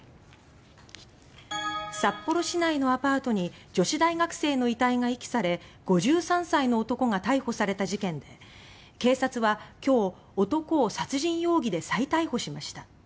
札幌市内のアパートに女子大学生の遺体が遺棄され５３歳の男が逮捕された事件で警察は今日男を殺人容疑で再逮捕しました。